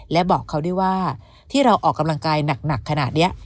และบอกเขาด้วยว่าที่เราออกกำลังกายหนักขนาดนี้